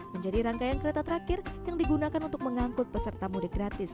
menjadi rangkaian kereta terakhir yang digunakan untuk mengangkut peserta mudik gratis